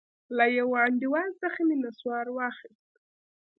له يوه انډيوال څخه مې نسوار واخيست.